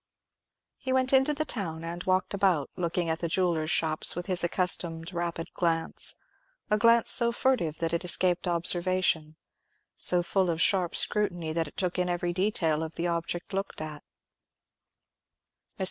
He went into the town, and walked about, looking at the jewellers' shops with his accustomed rapid glance—a glance so furtive that it escaped observation—so full of sharp scrutiny that it took in every detail of the object looked at. Mr.